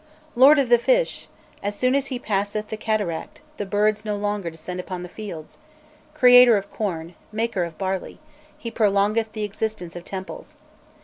Lord of the fish! as soon as he passeth the cataract the birds no longer descend upon the fields; creator of corn, maker of barley, he prolongeth the existence of temples.